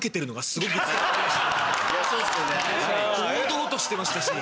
堂々としてましたし。